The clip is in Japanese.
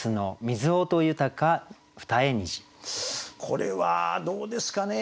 これはどうですかね。